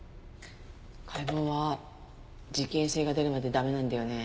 解剖は事件性が出るまで駄目なんだよね？